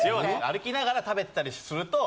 歩きながら食べてたりすると。